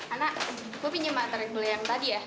ana gue pinjem materi dulu yang tadi ya